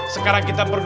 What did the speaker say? sekarang kita berpikir